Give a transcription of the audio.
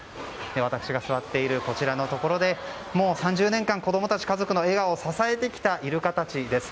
私が座っているこちらのところで３０年間、子供や家族の笑顔を支えてきたイルカたちです。